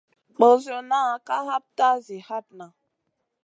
Ɓosionna ka hapta zi hatna.